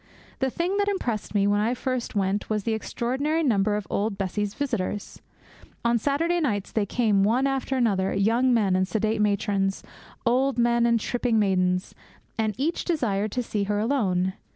The thing that impressed me when I first went was the extraordinary number of old Bessie's visitors. On Saturday nights they came one after another, young men and sedate matrons, old men and tripping maidens, and each desired to see her alone.